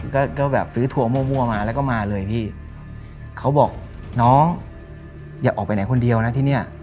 ก็ก็แบบซื้อทัวร์มั่วมาแล้วก็มาเลยพี่เขาบอกน้องอย่าออกไปไหนคนเดียวนะที่เนี่ย